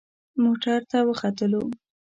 موټر ته وختلو.